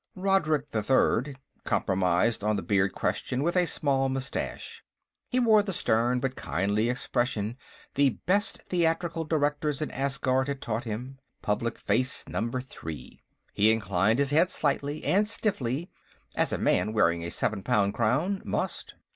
_" Rodrik III compromised on the beard question with a small mustache. He wore the stern but kindly expression the best theatrical directors in Asgard had taught him; Public Face Number Three. He inclined his head slightly and stiffly, as a man wearing a seven pound crown must.